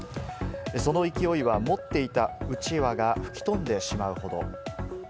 その勢いは持っていたうちわが吹き飛んでしまうほど。